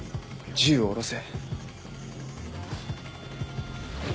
銃を下ろせ。